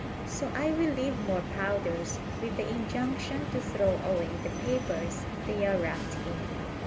So I will leave more powders with the injunction to throw away the papers they are wrapped in.